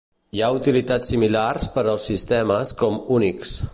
Hi ha utilitats similars per als sistemes com Unix.